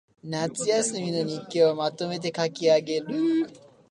夏休みの日記をまとめて書きあげる